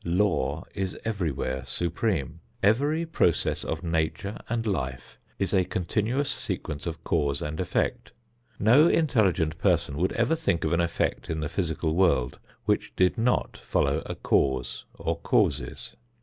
Law is everywhere supreme. Every process of nature and life is a continuous sequence of cause and effect. No intelligent person would ever think of an effect in the physical world which did not follow a cause or causes.